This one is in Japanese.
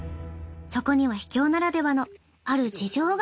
そこには秘境ならではのある事情が。